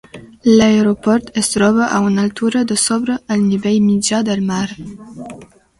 L'aeroport es troba a una altura de sobre el nivell mitjà del mar.